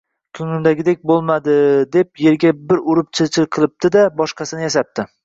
Ko‘nglimdagidek bo‘lmadi, deb yerga bir urib chil-chil qilibdi-da, boshqasini yasabdi